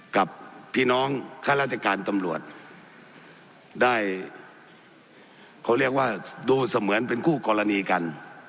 กับพี่น้องข้าราชการตำรวจได้เขาเรียกว่าดูเสมือนเป็นคู่กรณีกัน